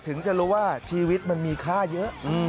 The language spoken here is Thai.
ถึงจะรู้ว่าชีวิตมันมีค่าเยอะ